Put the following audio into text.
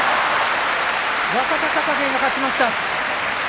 若隆景、勝ちました。